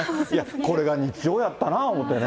これが日常やったな思うてね。